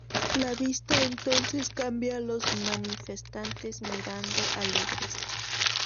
La vista entonces cambia a los manifestantes, mirando alegres.